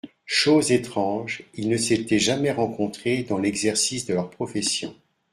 Chose étrange, ils ne s’étaient jamais rencontrés dans l’exercice de leur profession